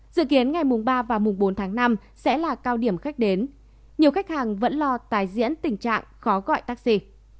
dự kiến ngày ba và bốn tháng năm sẽ là cao điểm khách đến nhiều khách hàng vẫn lo tài diễn tình trạng khó gọi taxi